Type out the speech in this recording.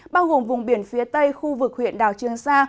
bao gồm vùng biển phía tây khu vực huyện đảo trương sa